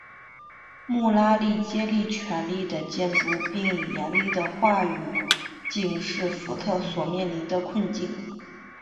穆拉利竭尽全力地监督并以严厉的话语警示福特所面临的困境。